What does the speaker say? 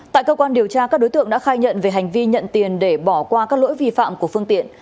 tại cơ quan điều tra các đối tượng đã khai nhận về hành vi nhận tiền để bỏ qua các lỗi vi phạm của phương tiện